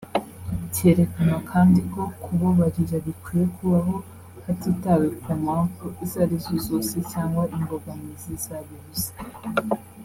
Cyerekana kandi ko kubabarira bikwiye kubaho hatitawe ku mpamvu izo ari zo zose cyangwa imbogamizi zabibuza